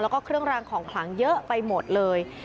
แล้วก็เครื่องรางของขลังเยอะไปหมดเลย